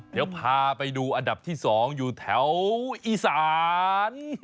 เดี๋ยวพาไปดูอันดับที่๒อยู่แถวอีสาน